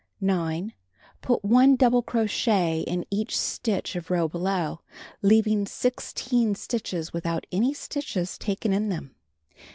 9. Put 1 double crochet in each stitch of row below, leaving 16 stitches without any stitches taken in them.